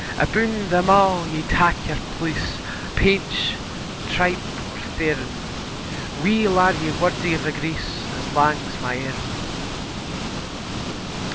Aboon them a' ye tak your place, Painch, tripe, or thairm: Weel are ye wordy o' a grace As lang's my arm.